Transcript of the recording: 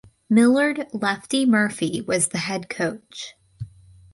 Millard "Lefty" Murphy was the head coach.